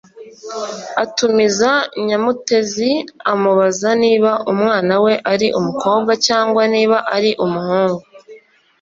atumiza Nyamutezi, amubaza niba umwana we ari umukobwa cyangwa niba ari umuhungu.